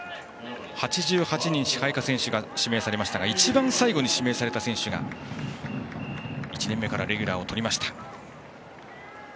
８８人、支配下選手が指名されましたが一番最後に指名された選手が１年目からレギュラーをとりました。